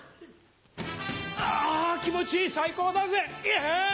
あ気持ちいい最高だぜイェイ！